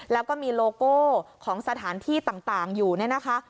แล้วก็มีโลโก้ของสถานที่ต่างอยู่เนี่ยนะคะ